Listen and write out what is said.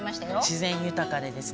自然豊かでですね